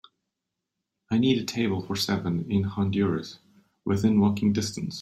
I need a table for seven in Honduras within walking distance